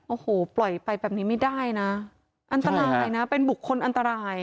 โอ้โหปล่อยไปแบบนี้ไม่ได้นะอันตรายนะเป็นบุคคลอันตราย